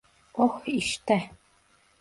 Oh, işte.